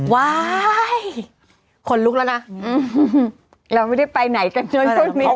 ว้ายขนลุกแล้วนะเราไม่ได้ไปไหนกันเนอะโชว์นี้